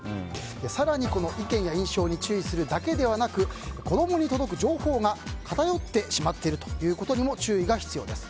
更に意見や印象に注意するだけではなく子供に届く情報が偏ってしまっていることにも注意が必要です。